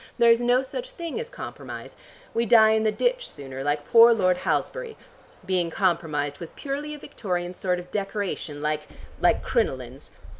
There is no such thing as compromise. We die in the ditch sooner, like poor Lord Halsbury. Being compromised was purely a Victorian sort of decoration like like crinolines.